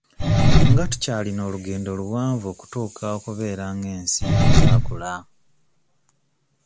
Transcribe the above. Nga tukyalina olugendo luwanvu okutuuka okubeera ng'ensi ezaakula?